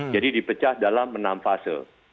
jadi dipecah dalam enam fase